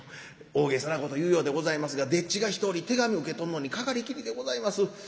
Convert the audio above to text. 大げさなこと言うようでございますが丁稚が１人手紙受け取るのにかかりきりでございます。